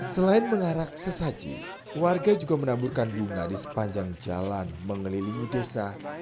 selain mengarak sesaji warga juga menaburkan bunga di sepanjang jalan mengelilingi desa